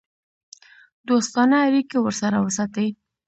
دوستانه اړیکې ورسره وساتي.